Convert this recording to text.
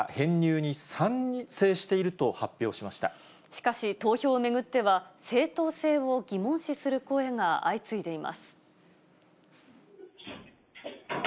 しかし、投票を巡っては、正当性を疑問視する声が相次いでいます。